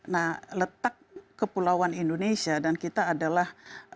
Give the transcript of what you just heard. nah letak kepulauan indonesia dan kita adalah